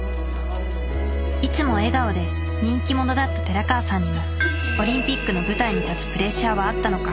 いつも笑顔で人気者だった寺川さんにもオリンピックの舞台に立つプレッシャーはあったのか。